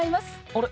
あれ？